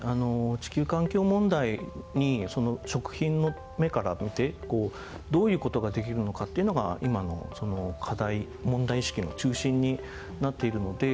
地球環境問題に食品の目から見てどういう事ができるのかっていうのが今のその課題問題意識の中心になっているので。